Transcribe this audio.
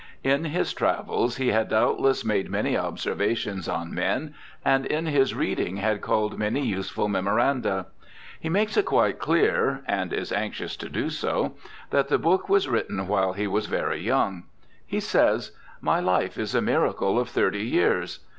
In his travels he had doubtless made many observations on men, and in his reading had culled many useful memoranda. He makes it quite clear—and is anxious to do so— that the book was written while he was very young. He says :' My life is a miracle of thirty years.'